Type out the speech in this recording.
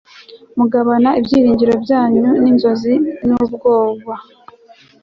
mugabana ibyiringiro byanyu ninzozi nubwoba